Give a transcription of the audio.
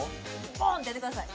ボンってやってください